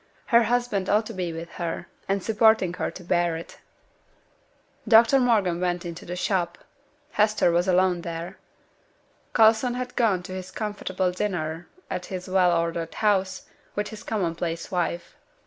Her husband ought to be with her, and supporting her to bear it. Dr Morgan went into the shop. Hester alone was there. Coulson had gone to his comfortable dinner at his well ordered house, with his common place wife.